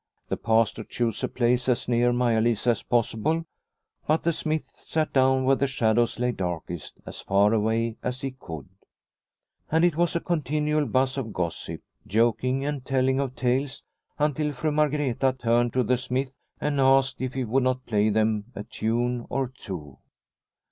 The Pastor chose a place as near Maia Lisa as possible, but the smith sat down where the shadows lay darkest, as far away as he could. And it was a con tinual buzz of gossip, joking and telling of 170 Liliecrona's Home tales until Fru Margreta turned to the smith and asked if he would not play them a tune or two.